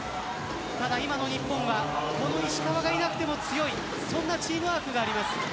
ただ、今の日本はこの石川がいなくても強いそんなチームワークがあります。